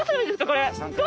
⁉これ。